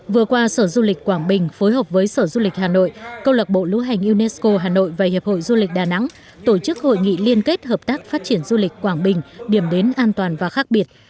vừa qua sở du lịch quảng bình phối hợp với sở du lịch hà nội câu lạc bộ lưu hành unesco hà nội và hiệp hội du lịch đà nẵng tổ chức hội nghị liên kết hợp tác phát triển du lịch quảng bình điểm đến an toàn và khác biệt